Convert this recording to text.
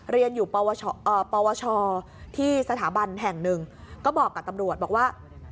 เรียนอยู่ปวชที่สถาบันแห่งหนึ่งก็บอกกับตำรวจบอกว่า